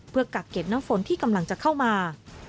เพื่อกักเก็บน้ำฝนที่กำลังจะเข้ามา